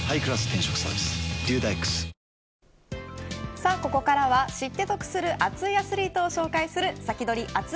さあここからは知って得する熱いアスリートを紹介するサキドリ！